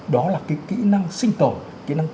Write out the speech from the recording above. đó là cái kĩ năng sinh tổ kĩ năng